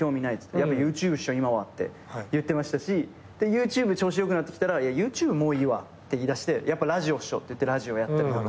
やっぱＹｏｕＴｕｂｅっしょ今はって言ってましたしＹｏｕＴｕｂｅ調子良くなってきたらＹｏｕＴｕｂｅもういいわって言ってやっぱラジオっしょって言ってラジオやったりとか。